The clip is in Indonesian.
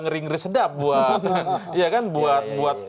ngeri ngeri sedap buat